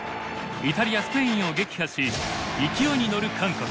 イタリアスペインを撃破し勢いに乗る韓国。